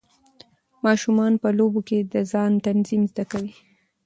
ماشومان په لوبو کې د ځان تنظیم زده کوي.